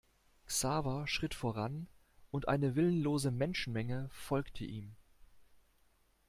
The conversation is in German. Xaver schritt voran und eine willenlose Menschenmenge folgte ihm.